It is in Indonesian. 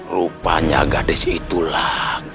rupanya gadis itu lagi